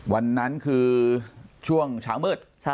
วันนั้นคือช่วงเช้ามืด